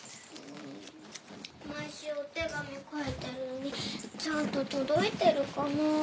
毎週お手紙書いてるのにちゃんと届いてるかなぁ。